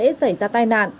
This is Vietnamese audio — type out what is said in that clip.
đối với người và phương tiện